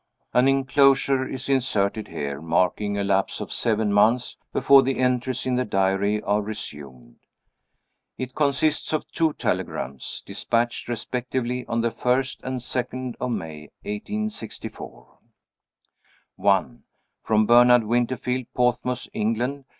(An inclosure is inserted here, marking a lapse of seven months, before the entries in the diary are resumed. It consists of two telegrams, dispatched respectively on the 1st and 2d of May, 1864.) 1. "From Bernard Winterfield, Portsmouth, England.